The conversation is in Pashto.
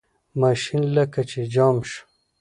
ماشین لکه چې جام شو.